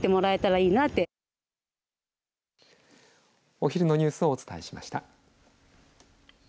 お昼のニュースをお伝えしました。